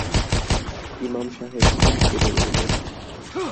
ইমাম সাহেব চুপ করে রইলেন।